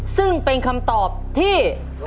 ซึ่งเป็นคำตอบที่